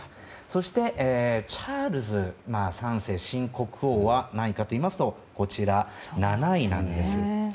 そして、チャールズ３世新国王は何位かといいますと７位なんです。